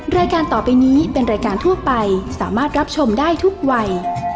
รายการต่อไปนี้เป็นรายการทั่วไปสามารถรับชมได้ทุกวัย